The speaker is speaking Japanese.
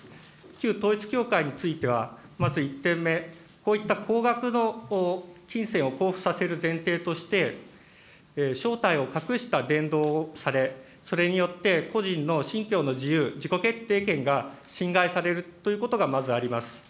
旧統一教会については、まず１点目、こういった高額の金銭をこうふさせる前提として、正体を隠した伝道をされ、それによって、個人の信教の自由、自己決定権が侵害されるということがまずあります。